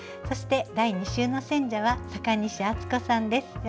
そして第２週の選者は阪西敦子さんです。